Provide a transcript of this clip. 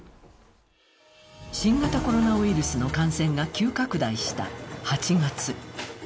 新型コロナウイルスの感染が急拡大した８月。